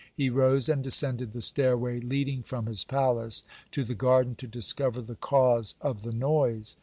He rose and descended the stairway leading from his palace to the garden, to discover the cause of the noise.